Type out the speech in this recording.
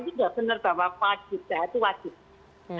itu tidak benar bahwa wajib